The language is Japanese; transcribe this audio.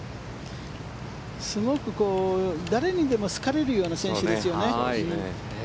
すごく誰にでも好かれるような選手ですよね。